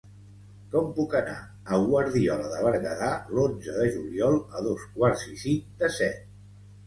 Com puc anar a Guardiola de Berguedà l'onze de juliol a dos quarts i cinc de set?